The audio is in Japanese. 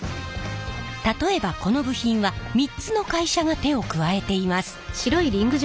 例えばこの部品は３つの会社が手を加えています。